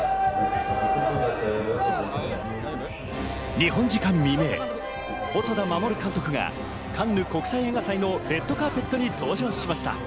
日本時間未明、細田守監督がカンヌ国際映画祭のレッドカーペットに登場しました。